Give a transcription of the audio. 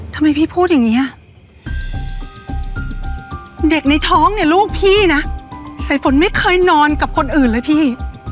ทำไมพี่พูดอย่างนี้อ่ะเด็กในท้องเนี่ยลูกพี่นะสายฝนไม่เคยนอนกับคนอื่นเลยพี่